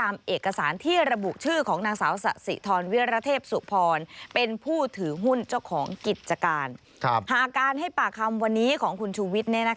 หากการให้ปากคำวันนี้ของคุณชูวิทย์